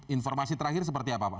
informasi terakhir seperti apa pak